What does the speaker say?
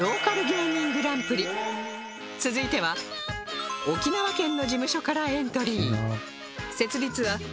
続いては沖縄県の事務所からエントリー